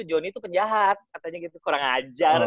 johnny itu penjahat katanya gitu kurang ajar